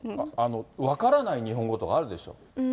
分からない日本語とかあるでしょう。